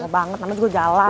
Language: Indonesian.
banget namanya juga jalan